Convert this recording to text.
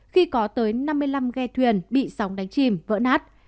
khi có tới năm mươi năm ghe thuyền bị sóng đánh chìm vỡ nát